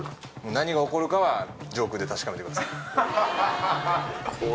何が起こるかは上空で確かめてください。